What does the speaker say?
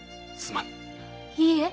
いいえ